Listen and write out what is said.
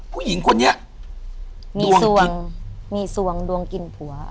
ผู้หญิงคนนี้มีสวงมีสวงดวงกินผัว